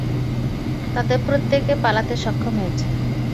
তাদের প্রত্যেকে পালাতে সক্ষম হয়েছে।